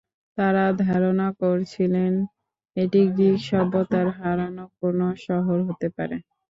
তাঁরা ধারণা করছিলেন, এটি গ্রিক সভ্যতার হারানো কোনো শহর হতে পারে।